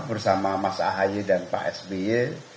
bersama mas ahaye dan pak sby